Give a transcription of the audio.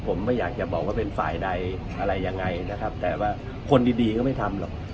ผมไม่อยากจะบอกว่าเป็นฝ่ายใดอะไรยังไงนะครับแต่ว่าคนดีดีก็ไม่ทำหรอก